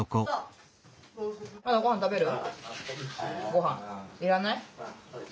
ごはんいらない？